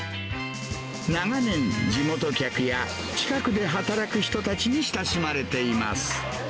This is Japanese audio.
長年、地元客や近くで働く人たちに親しまれています。